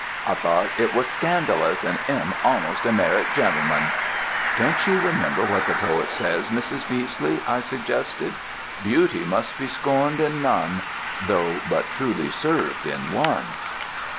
I thought it was scandalous, and 'im almost a marrit gentleman." "Don't you remember what the poet says, Mrs. Beesley?" I suggested: "Beauty must be scorned in none Though but truly served in one."